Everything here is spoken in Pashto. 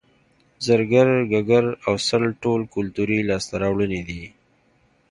زرګر ګګر او سل ټول کولتوري لاسته راوړنې دي